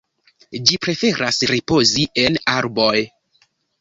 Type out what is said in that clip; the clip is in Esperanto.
Ĝi preferas ripozi en arboj.